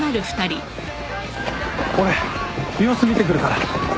俺様子見てくるから。